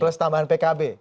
plus tambahan pkb